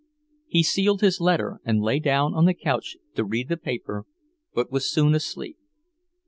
He sealed his letter and lay down on the couch to read the paper, but was soon asleep.